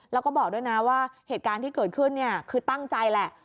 แล้วก็บอกด้วยนะว่าเหตุการณ์ที่เกิดขึ้นเนี่ยคือตั้งใจแหละ